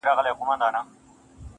زه نه كړم گيله اشــــــــــــنا